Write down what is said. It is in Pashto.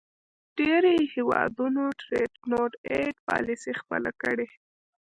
ډیری هیوادونو د Trade not aid پالیسي خپله کړې.